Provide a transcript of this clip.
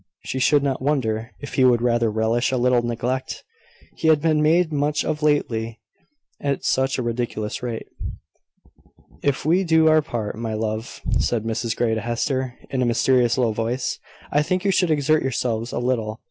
She should not wonder if he would rather relish a little neglect; he had been made much of lately at such a ridiculous rate. "If we do our part, my love," said Mrs Grey to Hester, in a mysterious low voice, "I think you should exert yourselves a little.